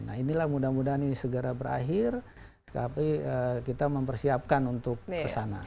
nah inilah mudah mudahan ini segera berakhir tapi kita mempersiapkan untuk kesana